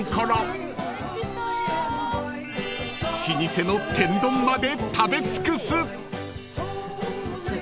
［老舗の天丼まで食べ尽くす！］